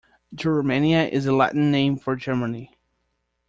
Germania is the Latin name for Germany.